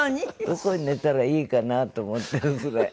どこに寝たらいいかなと思うぐらい。